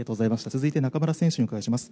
続いて中村選手にお伺いします。